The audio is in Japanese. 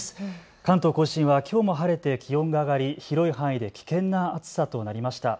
関東甲信はきょうも晴れて気温が上がり広い範囲で危険な暑さとなりました。